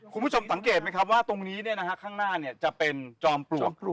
คุณผู้ชมสังเกตไหมครับว่าตรงนี้ข้างหน้าจะเป็นจอมปลวก